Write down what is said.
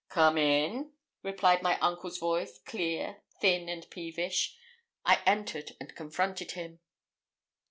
'Come in,' replied my uncle's voice, clear, thin, and peevish. I entered and confronted him.